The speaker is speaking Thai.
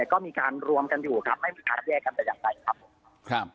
ก็มีการรวมกันอยู่ครับไม่มีการแยกกันแต่อย่างใดครับผมครับ